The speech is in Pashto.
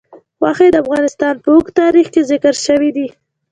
غوښې د افغانستان په اوږده تاریخ کې ذکر شوی دی.